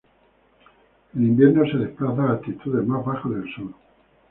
En invierno se desplaza a altitudes más bajas del sur.